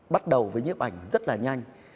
bắt đầu với nhếp ảnh rất là nhanh